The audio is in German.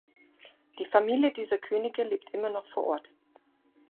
Die Familie dieser Könige lebt immer noch vor Ort.